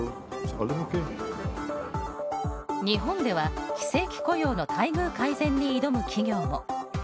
日本では、非正規雇用の待遇改善に挑む企業も。